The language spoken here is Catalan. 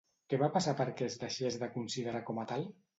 Què va passar perquè es deixés de considerar com a tal?